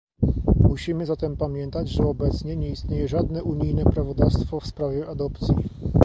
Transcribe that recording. Musimy zatem pamiętać, że obecnie nie istnieje żadne unijne prawodawstwo w sprawie adopcji